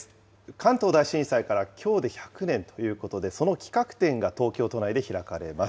関東大震災からきょうで１００年ということで、その企画展が東京都内で開かれます。